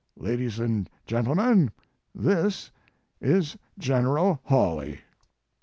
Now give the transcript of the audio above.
Ladies and gentle men, this is General Hawley."